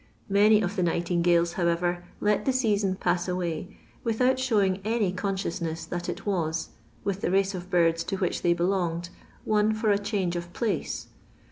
Many of the nightingales, however, let the season psiss away without showing any couitcious ness that it was, with the race of birds to which they belonged, one for a change of place.